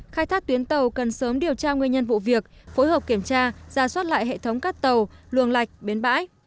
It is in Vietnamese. khai thác tuyến tàu cần sớm điều tra nguyên nhân vụ việc phối hợp kiểm tra ra soát lại hệ thống cắt tàu luồng lạch bến bãi